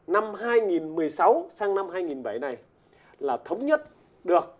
năm hai nghìn một mươi sáu sang năm hai nghìn một mươi bảy này là thống nhất được